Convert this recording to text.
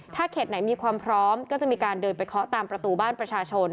ถ้าเขตไหนมีความพร้อมก็จะมีการเดินไปเคาะตามประตูบ้านประชาชน